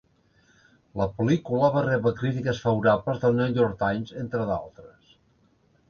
La pel·lícula va rebre crítiques favorables del New York Times, entre d'altres.